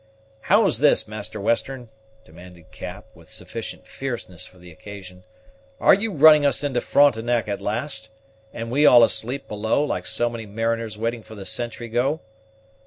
"How's this, Master Western?" demanded Cap, with sufficient fierceness for the occasion; "are you running us into Frontenac at last, and we all asleep below, like so many mariners waiting for the 'sentry go'?"